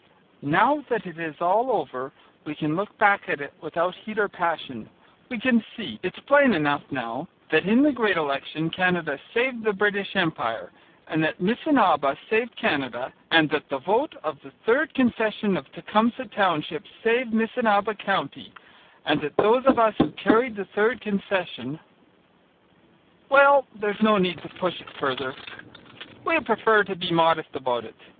Now that it is all over, we can look back at it without heat or passion. We can see, it's plain enough now, that in the great election Canada saved the British Empire, and that Missinaba saved Canada and that the vote of the Third Concession of Tecumseh Township saved Missinaba County, and that those of us who carried the third concession, well, there's no need to push it further. We prefer to be modest about it.